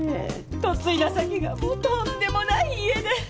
嫁いだ先がもうとんでもない家で。